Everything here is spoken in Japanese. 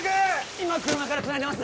今車からつないでます